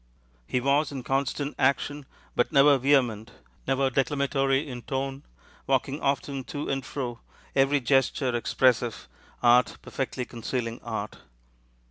He was in constant action, but never vehement, never declamatory in tone, walking often to and fro, every gesture expressive, art perfectly concealing art.